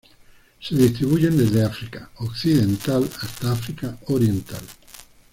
Se distribuyen desde África Occidental hasta África Oriental.